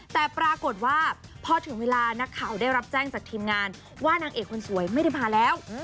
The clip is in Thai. แต่ปรากฏว่าพอถึงเวลานักข่าวได้รับแจ้งจากทีมงานว่านางเอกคนสวยไม่ได้มาแล้ว